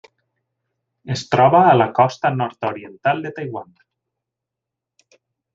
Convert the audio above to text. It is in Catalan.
Es troba a la costa nord-oriental de Taiwan.